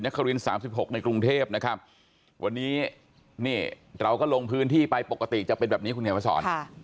คริน๓๖ในกรุงเทพนะครับวันนี้นี่เราก็ลงพื้นที่ไปปกติจะเป็นแบบนี้คุณเขียนมาสอน